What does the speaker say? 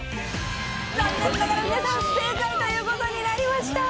残念ながら皆さん不正解という事になりました。